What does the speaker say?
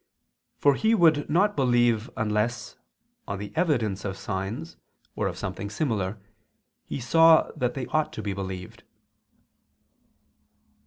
For he would not believe unless, on the evidence of signs, or of something similar, he saw that they ought to be believed.